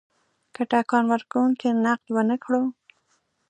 که ټکان ورکونکی نقد ونه کړو.